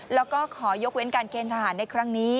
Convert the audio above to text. แล้วก็ขอยกเว้นการเกณฑ์ทหารในครั้งนี้